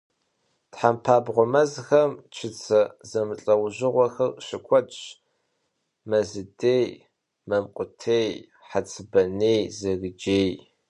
Тхьэмпабгъуэ мэзхэм чыцэ зэмылӀэужьыгъуэхэр щыкуэдщ: мэзыдей, мамкъутей, хъэцыбаней, зэрыджей.